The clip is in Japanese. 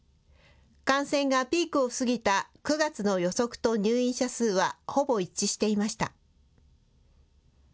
感染がピークを過ぎた９月の予測と入院者数は、ほぼ一致していました。